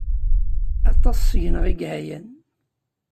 Aṭas seg-neɣ ay yeɛyan.